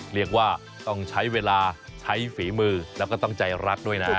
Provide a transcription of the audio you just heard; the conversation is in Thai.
เรียกว่าต้องใช้เวลาใช้ฝีมือแล้วก็ต้องใจรักด้วยนะ